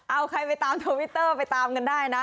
เอาใครไปตามทวิตเตอร์ไปตามกันได้นะ